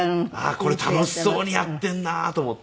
これ楽しそうにやっているなと思って。